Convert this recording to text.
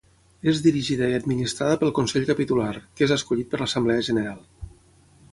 És dirigida i administrada pel Consell Capitular, que és escollit per l'assemblea general.